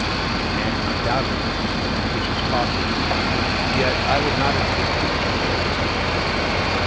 And, undoubtedly, this is a judicious caution. Yet I would not insist too keenly on this condition.